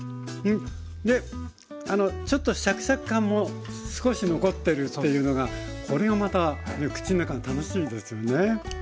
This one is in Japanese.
でちょっとシャキシャキ感も少し残ってるっていうのがこれがまた口の中が楽しいですよね。